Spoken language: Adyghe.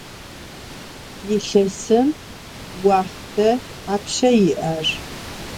Yilhesım voxhte thapşşa yi'er?